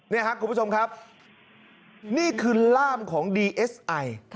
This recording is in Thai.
นี่ครับคุณผู้ชมครับนี่คือล่ามของดีเอสไอ